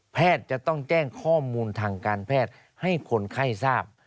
จะต้องแจ้งข้อมูลทางการแพทย์ให้คนไข้ทราบ